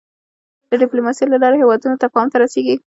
د د ډيپلوماسی له لارې هېوادونه تفاهم ته رسېږي.